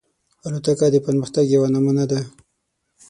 الوتکه د پرمختګ یوه نمونه ده.